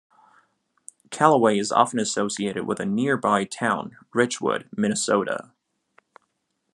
Callaway is often associated with a nearby town, Richwood, Minnesota.